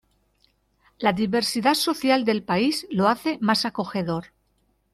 La diversidad social del país lo hace más acogedor.